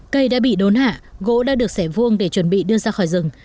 cây đã bị đốn hạ gỗ đã được xẻ vuông để chuẩn bị đưa ra khỏi rừng